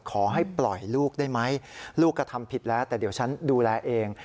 ขอให้ปล่อยลูกได้ไหมลูกกระทำผิดแล้วแต่เดี๋ยวฉันดูแลเอง